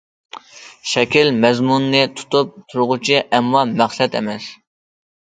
شەكىل مەزمۇننى تۇتۇپ تۇرغۇچى، ئەمما مەقسەت ئەمەس.